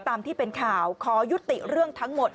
ตามที่เป็นข่าวขอยุติเรื่องทั้งหมด